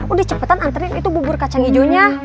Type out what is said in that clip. udah cepetan anterin itu bubur kacang ijo nya